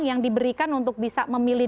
yang diberikan untuk bisa memilih